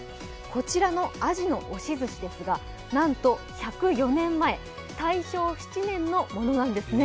こちらの鯵の押寿しですがなんと１０４年前大正７年のものなんですね。